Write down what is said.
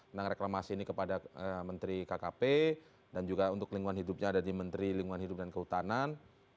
tentang reklamasi ini kepada menteri kkp dan juga untuk lingkungan hidupnya ada di menteri lingkungan hidup dan kehutanan